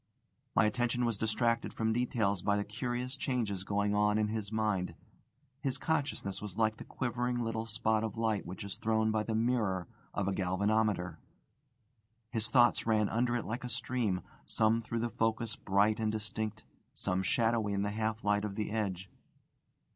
My attention was distracted from details by the curious changes going on in his mind. His consciousness was like the quivering little spot of light which is thrown by the mirror of a galvanometer. His thoughts ran under it like a stream, some through the focus bright and distinct, some shadowy in the half light of the edge.